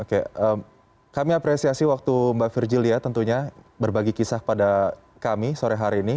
oke kami apresiasi waktu mbak virjilia tentunya berbagi kisah pada kami sore hari ini